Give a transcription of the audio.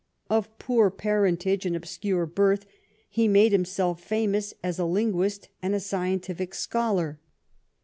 Of poor parentage and obscure birth, he made himself famous as a linguist and a scientific scholar.